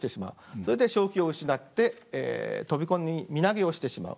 それで正気を失って飛び込み身投げをしてしまう。